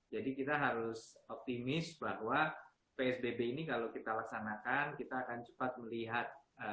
jadi kita harus optimis bahwa psbb ini kalau kita laksanakan kita akan cepat melihat